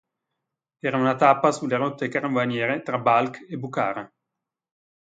Era una tappa sulle rotte carovaniere tra Balkh e Bukhara.